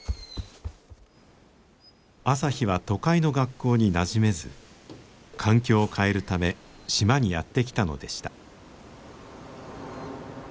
朝陽は都会の学校になじめず環境を変えるため島にやって来たのでした。